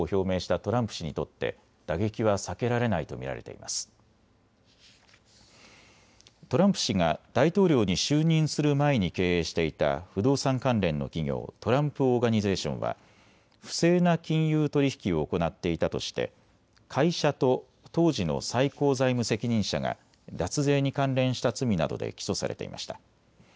トランプ氏が大統領に就任する前に経営していた不動産関連の企業、トランプ・オーガニゼーションは不正な金融取引を行っていたとして会社と当時の最高財務責任者が脱税に関連した罪などで起訴されていました。